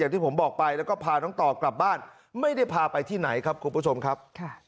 ที่ผมบอกไปแล้วก็พาน้องต่อกลับบ้านไม่ได้พาไปที่ไหนครับคุณผู้ชมครับ